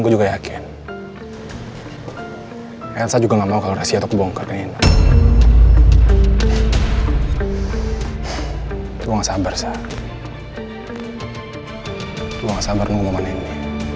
gue gak sabar nunggu momen ini